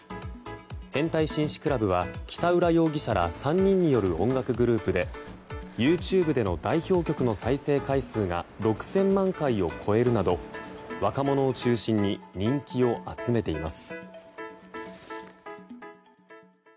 変態紳士クラブは北浦容疑者ら３人による音楽グループでＹｏｕＴｕｂｅでの代表曲の再生回数が６０００万回を超えるなど若者を中心に人気を集めています。